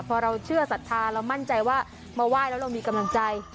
พอเราเชื่อศรัทธาเรามั่นใจว่ามาไหว้แล้วเรามีกำลังใจ